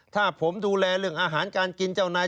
ถ้าผมดูแลเรื่องอาหารการกินเจ้านาย